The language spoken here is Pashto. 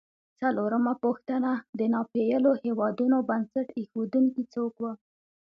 څلورمه پوښتنه: د ناپېیلو هېوادونو بنسټ ایښودونکي څوک و؟